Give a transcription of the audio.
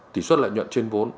tỷ suất lợi nhuận trên vốn